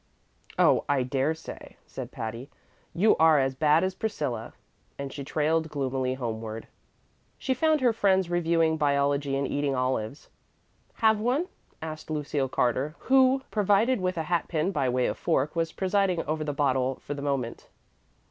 "Oh, I dare say," said Patty. "You are as bad as Priscilla"; and she trailed gloomily homeward. She found her friends reviewing biology and eating olives. "Have one?" asked Lucille Carter, who, provided with a hat pin by way of fork, was presiding over the bottle for the moment.